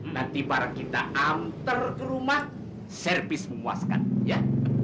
nanti barang kita amter ke rumah servis memuaskan ya